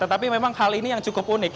tetapi memang hal ini yang cukup unik